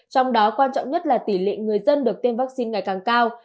trong đó quan trọng nhất là tỷ lệ người dân được tiêm vaccine ngày càng cao